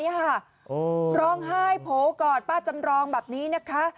โหกอดป้าจำลองแบบนี้นะคะ